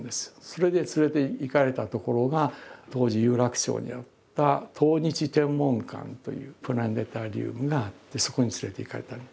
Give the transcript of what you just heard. それで連れて行かれた所が当時有楽町にあった「東日天文館」というプラネタリウムがあってそこに連れて行かれた。